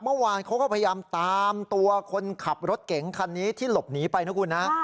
เมื่อวานเขาก็พยายามตามตัวคนขับรถเก๋งคันนี้ที่หลบหนีไปนะคุณนะ